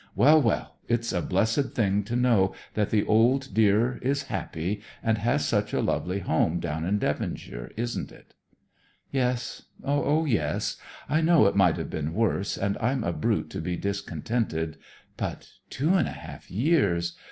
Well, well, it's a blessed thing to know that the old dear is happy, and has such a lovely home down in Devonshire, isn't it?" "Yes, oh yes; I know it might have been worse, and I'm a brute to be discontented, but two and a half years!